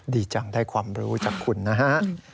ดีจังได้ความรู้จากคุณนะฮะ